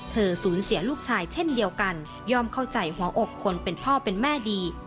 สูญเสียลูกชายเช่นเดียวกันย่อมเข้าใจหัวอกคนเป็นพ่อเป็นแม่ดี